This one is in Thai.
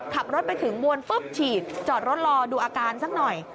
ขับรถไปถึงมวลปุ๊บฉีดจอดรถรอดูอาการสักหน่อย